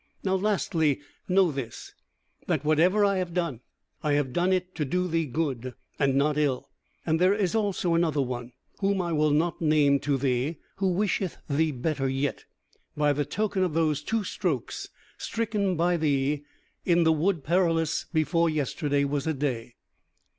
Now lastly know this, that whatever I have done, I have done it to do thee good and not ill; and there is also another one, whom I will not name to thee, who wisheth thee better yet, by the token of those two strokes stricken by thee in the Wood Perilous before yesterday was a day."